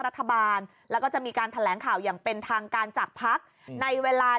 รัฐบาลแล้วก็จะมีการแถลงข่าวอย่างเป็นทางการจากพักในเวลา